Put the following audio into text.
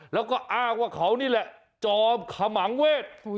แล้วก็อ้างว่าเขานี่แหละจอมขมังเวศ